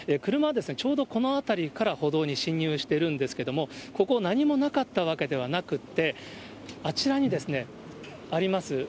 車はちょうどこの辺りから歩道に進入しているんですけれども、ここ、何もなかったわけではなくって、あちらにあります